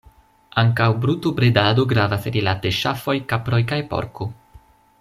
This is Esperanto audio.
Ankaŭ brutobredado gravas rilate ŝafoj, kaproj kaj porko.